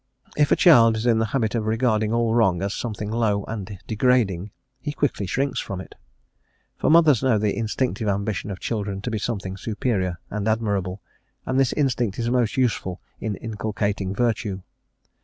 If a child is in the habit of regarding all wrong as something low and degrading, he quickly shrinks from it; all mothers know the instinctive ambition of children to be something superior and admirable, and this instinct is most useful in inculcating virtue.